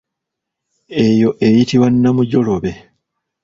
Eyo eyitibwa namujolobe.